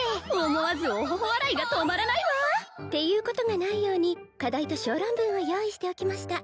思わずおほほ笑いが止まらないわっていうことがないように課題と小論文を用意しておきました